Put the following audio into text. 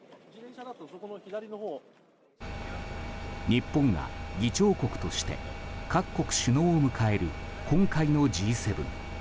日本が議長国として各国首脳を迎える今回のＧ７。